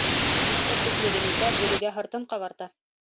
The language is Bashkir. Әт этлеген итә: бүрегә һыртын ҡабарта.